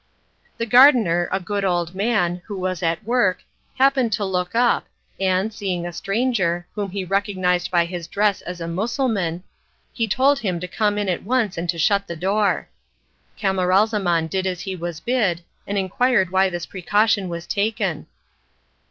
The gardener, a good old man, who was at work, happened to look up, and, seeing a stranger, whom he recognised by his dress as a Mussulman, he told him to come in at once and to shut the door. Camaralzaman did as he was bid, and inquired why this precaution was taken.